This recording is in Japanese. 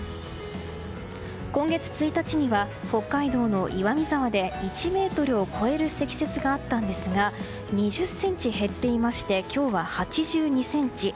今月１日には北海道の岩見沢で１ｍを超える積雪があったんですが２０ｃｍ減っていまして今日は８２ｃｍ。